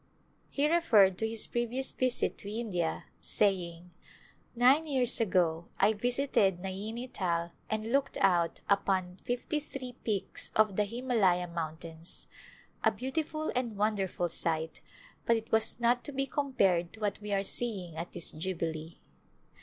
He referred to his previous visit to India, say ing, " Nine years ago I visited Naini Tal and looked out upon fifty three peaks of the Himalaya Mountains, a beautiful and wonderful sight, but it was not to be compared to what we are seeing at this Jubilee."